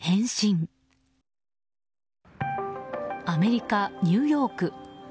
アメリカ・ニューヨーク。